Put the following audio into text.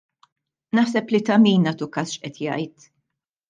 Naħseb li ta' min nagħtu każ x'qed jgħid.